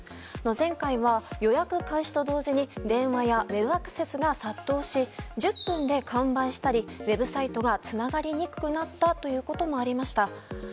前回は予約開始と同時に電話やウェブアクセスが殺到し、１０分で完売したりウェブサイトがつながりにくくなったこともありました。